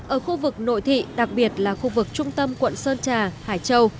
ở khu vực nội thị đặc biệt là khu vực trung tâm quận sơn trà hải châu